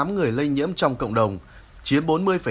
một trăm linh tám người lây nhiễm trong cộng đồng chiếm bốn mươi ba